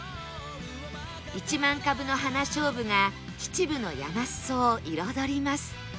１万株の花しょうぶが秩父の山裾を彩ります